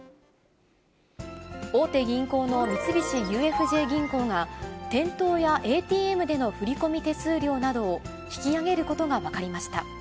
大手銀行の三菱ＵＦＪ銀行が、店頭やＡＴＭでの振り込み手数料などを引き上げることが分かりました。